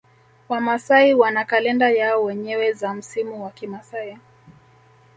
Wamasai wana kalenda yao wenyewe za msimu wa kimasai